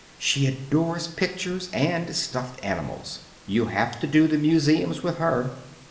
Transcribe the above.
She adores pictures and stuffed animals. You'll have to do the museums with her.